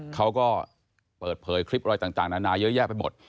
เขาก็เปิดเผยคลิปอะไรต่างนานาเยอะแยะไปหมด